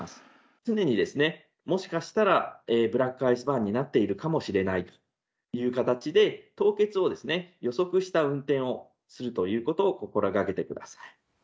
常に、もしかしたらブラックアイスバーンになっているかもしれないという形で、凍結を予測した運転をするということを心がけてください。